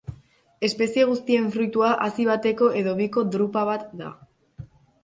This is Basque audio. Espezie guztien fruitua hazi bateko edo biko drupa bat da.